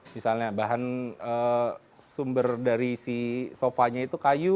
misalnya bahan sumber dari si sofanya itu kayu